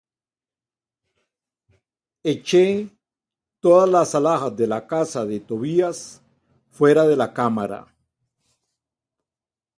y eché todas las alhajas de la casa de Tobías fuera de la cámara;